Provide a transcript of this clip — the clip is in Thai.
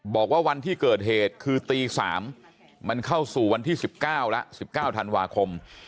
บอกว่าวันที่เกิดเหตุคือตี๓มันเข้าสู่วันที่๑๙แล้ว๑๙ธันวาคม